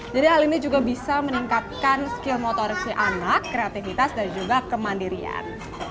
jadi hal ini juga bisa meningkatkan skill motorisi anak kreativitas dan juga kemandirian